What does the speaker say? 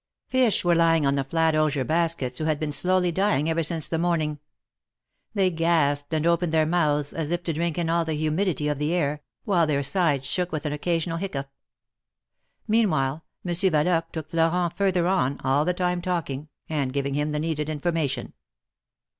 Fish were lying on the flat osier baskets, who had been slowly dying ever since the morning. They gasped and opened their mouths as if to drink in all the humidity of the air, while their sides shook with an occasional hiccough. Meanwhile, Monsieur Yaloque took Florent further on, all the time talking, and giving him the needed information.